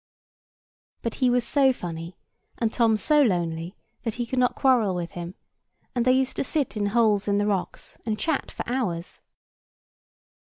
But he was so funny, and Tom so lonely, that he could not quarrel with him; and they used to sit in holes in the rocks, and chat for hours.